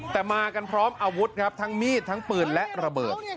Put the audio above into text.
แต่มากันพร้อมอาวุธครับทั้งมีดทั้งปืนและระเบิด